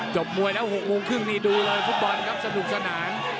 มวยแล้ว๖โมงครึ่งนี่ดูเลยฟุตบอลครับสนุกสนาน